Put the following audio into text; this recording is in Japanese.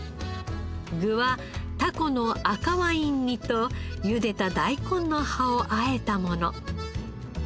具はタコの赤ワイン煮とゆでた大根の葉をあえたもの。